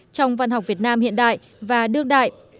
trong văn học việt nam hiện đại và đương đại